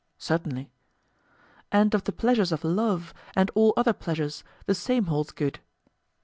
Certainly. And of the pleasures of love, and all other pleasures, the same holds good?